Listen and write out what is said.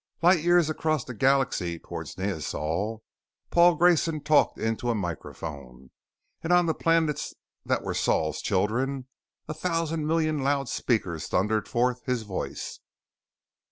Light years across the galaxy towards Neosol, Paul Grayson talked into a microphone. And on the planets that were Sol's Children, a thousand million loudspeakers thundered forth his voice!